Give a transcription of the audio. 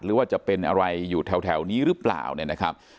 หรือว่าจะเป็นอะไรอยู่แถวนี้หรือเปล่าเนี่ยนะครับ